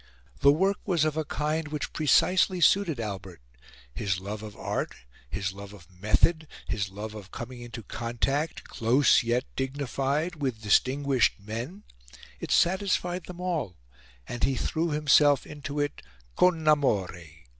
The work was of a kind which precisely suited Albert: his love of art, his love of method, his love of coming into contact close yet dignified with distinguished men it satisfied them all; and he threw himself into it con amore.